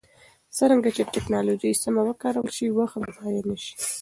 څرنګه چې ټکنالوژي سمه وکارول شي، وخت به ضایع نه شي.